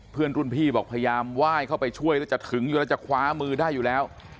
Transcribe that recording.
เพื่อนรุ่นพี่บอกพยายามไหว้เข้าไปช่วยแล้วจะถึงอยู่แล้วจะคว้ามือได้อยู่แล้ว